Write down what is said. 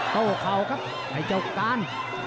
โต้เขากับใช้เจ้ากาล